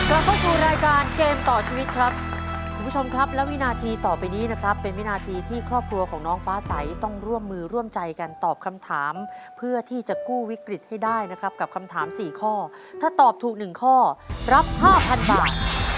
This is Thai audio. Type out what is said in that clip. เราเข้าสู่รายการเกมต่อชีวิตครับคุณผู้ชมครับและวินาทีต่อไปนี้นะครับเป็นวินาทีที่ครอบครัวของน้องฟ้าใสต้องร่วมมือร่วมใจกันตอบคำถามเพื่อที่จะกู้วิกฤตให้ได้นะครับกับคำถามสี่ข้อถ้าตอบถูกหนึ่งข้อรับห้าพันบาท